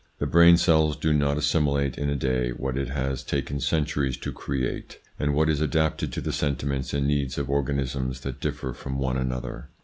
The brain cells do not assimilate in a day what it has taken centuries to create, and what is adapted to the sentiments and needs of organisms that differ from one another.